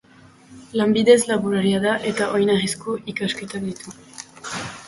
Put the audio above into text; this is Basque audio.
Lanbidez laboraria da eta oinarrizko ikasketak ditu.